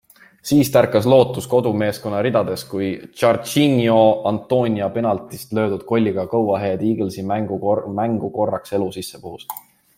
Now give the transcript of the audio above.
Siis tärkas lootus kodumeeskonna ridades, kui Jarchinio Antonia penaltist löödud kolliga Go Ahead Eaglesi mängu korraks elu sisse puhus.